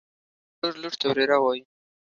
ورور لور ته وريره وايي.